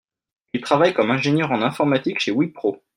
Il travaille comme ingénieur en informatique chez WIPRO.